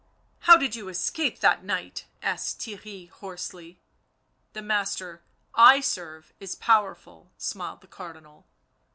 "How did you escape that night?" asked Theirry hoarsely. " The master I serve is powerful," smiled the Car dinal.